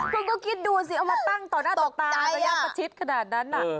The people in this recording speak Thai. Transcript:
คุณก็กินดูสิเอามาตั้งต่อหน้าตกตีกันแล้วพระชิตขนาดนั้น